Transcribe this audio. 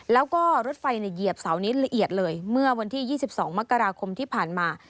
แล้วก็รถไฟเหยียบเสานิดละเอียดเลยเมื่อวันที่๒๒มกราคมที่ผ่านมา